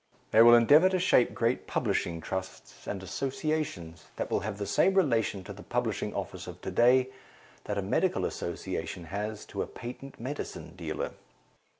They will endeavour to shape great publishing trusts and associations that will have the same relation to the publishing office of to day that a medical association has to a patent medicine dealer.